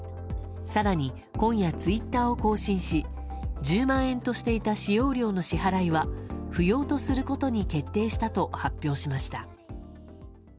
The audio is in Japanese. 更に今夜ツイッターを更新し１０万円としていた使用料の支払いは不要とすることに決定したと発表しました。